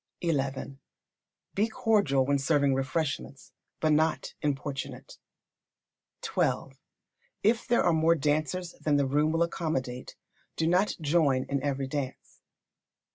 xi. Be cordial when serving refreshments, but not importunate. xii. If there are more dancers than the room will accommodate, do not join in every dance.